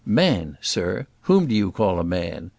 "Man! sir; whom do you call a man?